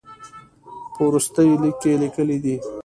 په وروستي لیک کې یې لیکلي دي.